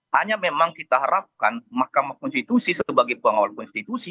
hanya memang kita harapkan mahkamah konstitusi sebagai pengawal konstitusi